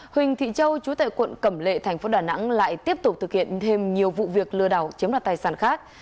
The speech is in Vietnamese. huỳnh thị châu chú tại quận cẩm lệ thành phố đà nẵng lại tiếp tục thực hiện thêm nhiều vụ việc lừa đảo chiếm đoạt tài sản khác